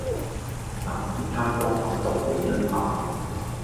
那時她剛巧動了一下